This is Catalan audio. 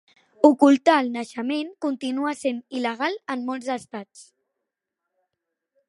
Ocultar el naixement continua sent il·legal en molts estats.